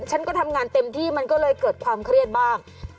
ฉันก็ทำงานเต็มที่มันก็เลยเกิดความเครียดบ้าง